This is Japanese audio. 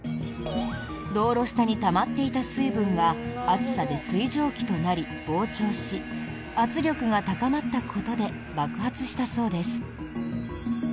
道路下にたまっていた水分が暑さで水蒸気となり膨張し圧力が高まったことで爆発したそうです。